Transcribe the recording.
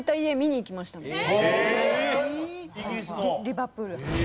リバプール。